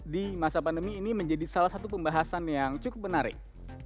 di masa pandemi ini menjadi salah satu pembahasan yang cukup menarik